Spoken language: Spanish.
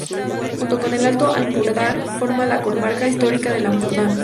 Junto con el Alto Ampurdán forma la comarca histórica del Ampurdán.